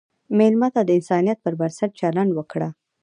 مېلمه ته د انسانیت پر بنسټ چلند وکړه.